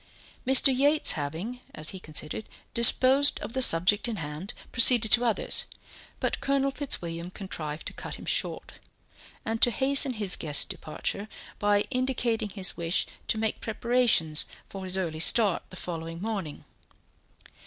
Mr. Yates having, as he considered, disposed of the subject in hand, proceeded to others, but Colonel Fitzwilliam contrived to cut him short, and to hasten his guest's departure, by indicating his wish to make preparations for his early start the following morning.